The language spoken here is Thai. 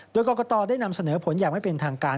โดยกรกตได้นำเสนอผลอย่างไม่เป็นทางการ